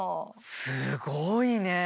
すごいね！